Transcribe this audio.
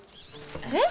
えっ？